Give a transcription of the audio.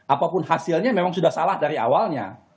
apapun hasilnya memang sudah salah dari awalnya